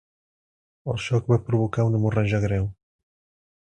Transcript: El xoc va provocar una hemorràgia greu.